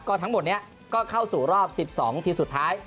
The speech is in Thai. ทั้งหมดนี้ก็เข้าสู่รอบ๑๒ทีมสุดท้าย